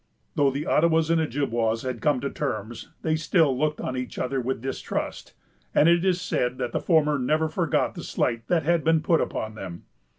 Though the Ottawas and Ojibwas had come to terms, they still looked on each other with distrust, and it is said that the former never forgot the slight that had been put upon them.